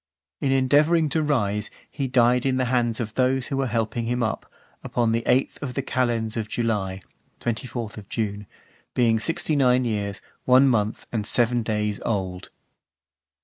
In endeavouring to rise, he died in the hands of those who were helping him up, upon the eighth of the calends of July [24th June] , being sixty nine years, one month, and seven days old.